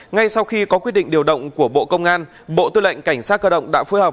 ngay sau khi có quyết định điều động của bộ công an bộ tư lệnh cảnh sát cơ động đã phối hợp